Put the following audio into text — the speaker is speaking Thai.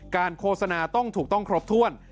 โฆษณาต้องถูกต้องครบถ้วน